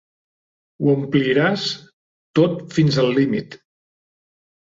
Ho ompliràs tot fins al límit.